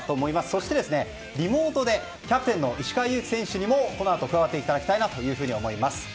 そしてリモートでキャプテンの石川祐希選手にもこのあと加わっていただきたいなと思います。